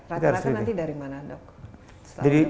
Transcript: rata rata nanti dari mana dok